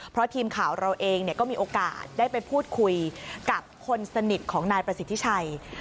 เพราะทีมข่าวเราเองก็มีโอกาสได้ไปพูดคุยกับคนสนิทของนายประสิทธิชัย